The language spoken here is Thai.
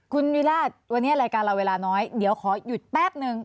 คุณวิราชวันนี้รายการเราเวลาน้อยเดี๋ยวขอหยุดแป๊บนึง